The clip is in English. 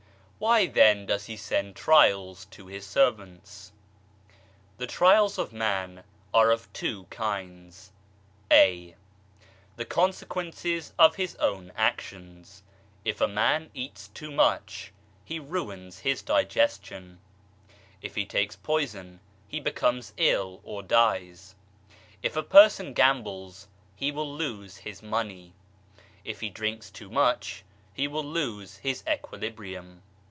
Why then does He send trials to His servants ? The trials of man are of two kinds, (a) The con sequences of his own actions, if a man eats too much, he ruins his digestion ; if he takes poison he becomes ill or dies. If a person gambles he will lose his money ; if he drinks too much he will lose his equilibrium.